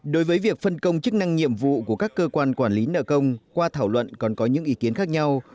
đối với việc phân công chức năng nhiệm vụ của các cơ quan quản lý nợ công qua thảo luận còn có những ý kiến khác nhau